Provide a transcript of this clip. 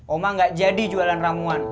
oma gak jadi jualan ramuan